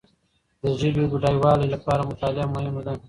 د ژبي بډایوالي لپاره مطالعه مهمه ده.